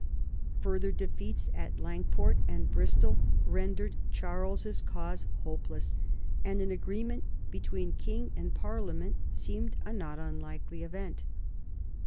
Further defeats at Lang port and Bristol rendered Charles's cause hopeless, and an agreement between king and parliament seemed a not unlikely event.